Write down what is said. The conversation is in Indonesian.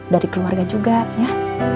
dari keluarga juga ya